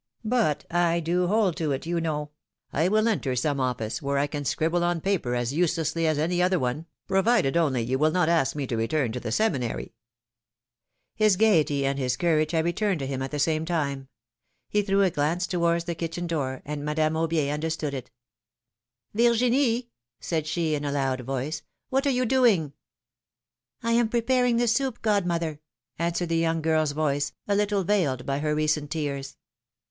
But I do hold to it, you know ! I will enter some office, where I can scribble on paper as uselessly as any other one, provided only you will not ask me to return to the Seminary His gayety and his courage had returned to him at the same time. He threw a glance towards the kitchen door, and Madame An bier understood it. Virginie,^^ said she, in a loud voice, '^what are you doing I am preparing the soup, godmother,'^ answered the young girFs voice, a little veiled by her recent tears.